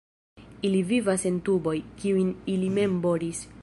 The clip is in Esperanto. Ili vivas en tuboj, kiujn ili mem boris.